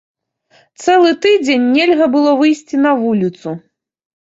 Цэлы тыдзень нельга было выйсці на вуліцу.